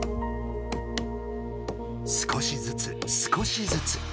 少しずつ少しずつ。